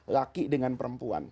laki dengan perempuan